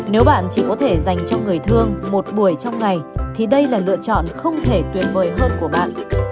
nếu bạn chỉ có thể dành cho người thương một buổi trong ngày thì đây là lựa chọn không thể tuyệt vời hơn của bạn